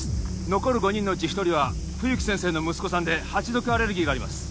残る５人のうち１人は冬木先生の息子さんでハチ毒アレルギーがあります